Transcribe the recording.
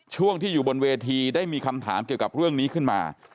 ช่วงที่อยู่บนเวทีได้มีคำถามเกี่ยวกับเรื่องนี้ขึ้นมา